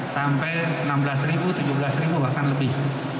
sampai enam belas ribu tujuh belas ribu bahkan lebih